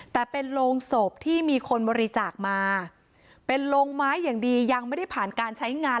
แต่เป็นโรงศพที่มีคนบริจาคมาเป็นโรงไม้อย่างดียังไม่ได้ผ่านการใช้งาน